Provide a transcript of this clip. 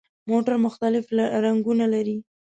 موټر مختلف رنګونه لري.